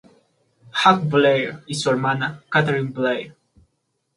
Hugh Blair y su hermana Katherine Blair.